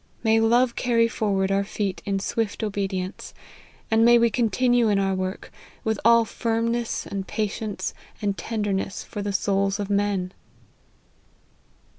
May love carry forward our feet in swift obedience ; and may we continue in our work, with all firmness, and patience, and tenderness for the souls of men